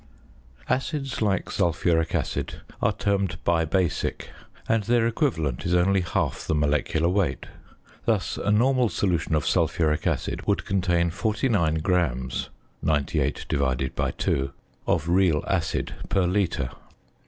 Acids like sulphuric acid are termed bibasic, and their equivalent is only half the molecular weight. Thus, a normal solution of sulphuric acid would contain 49 grams (98/2) of real acid per litre.